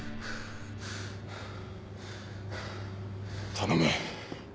頼む。